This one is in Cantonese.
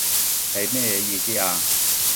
係乜嘢意思啊？